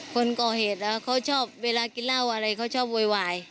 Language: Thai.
คนก่อเหตุเขาชอบเวลากินเหล้าอะไรเขาชอบโวยวาย